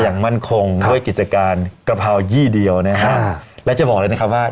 อย่างมั่นคงด้วยกิจการกะเพรายี่เดียวนะฮะและจะบอกเลยนะครับว่า